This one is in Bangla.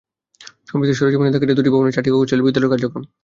সম্প্রতি সরেজমিনে দেখা যায়, দুটি ভবনের চারটি কক্ষে চলছে বিদ্যালয়ের কার্যক্রম।